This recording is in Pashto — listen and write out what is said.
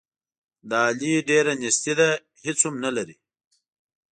د علي ډېره نیستي ده، هېڅ هم نه لري.